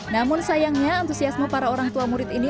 namun sayangnya antusiasme para orang tua murid ini